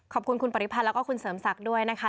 ขอบคุณคุณปริพันธ์แล้วก็คุณเสริมศักดิ์ด้วยนะคะ